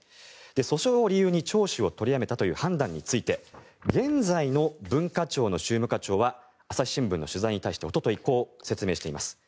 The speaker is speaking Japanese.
訴訟を理由に、聴取を取りやめたという判断について現在の文化庁の宗務課長は朝日新聞の取材に対しておととい、こう説明しています。